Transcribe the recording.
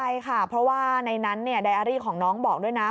ใช่ค่ะเพราะว่าในนั้นไดอารี่ของน้องบอกด้วยนะ